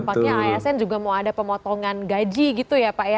nampaknya asn juga mau ada pemotongan gaji gitu ya pak ya